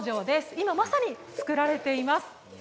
今まさに作られています。